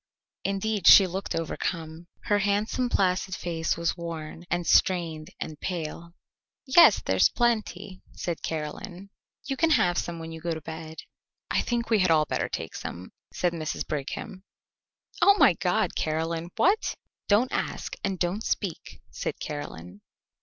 Indeed, she looked overcome. Her handsome placid face was worn and strained and pale. "Yes, there's plenty," said Caroline; "you can have some when you go to bed." "I think we had all better take some," said Mrs. Brigham. "Oh, my God, Caroline, what " "Don't ask and don't speak," said Caroline.